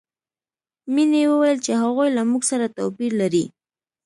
مینې وویل چې هغوی له موږ سره توپیر لري